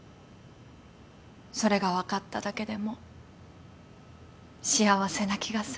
それが分かっただけでも幸せな気がする。